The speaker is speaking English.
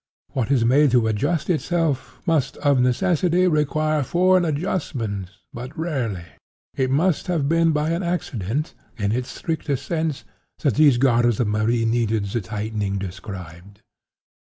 What is made to adjust itself, must of necessity require foreign adjustment but rarely. It must have been by an accident, in its strictest sense, that these garters of Marie needed the tightening described.